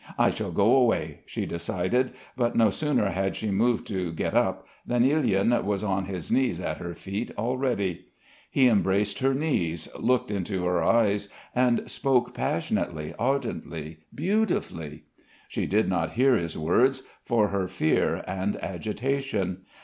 "I shall go away," she decided, but no sooner had she moved to get up, than Ilyin was on his knees at her feet already. He embraced her knees, looked into her eyes and spoke passionately, ardently, beautifully. She did not hear his words, for her fear and agitation.